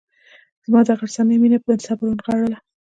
ما د غرڅنۍ مینه په صبر ونغاړله.